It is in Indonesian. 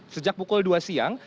sejak pukul dua siang